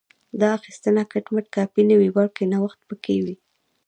دا اخیستنه کټ مټ کاپي نه وي بلکې نوښت پکې وي